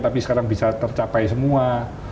tapi sekarang bisa tercapai semua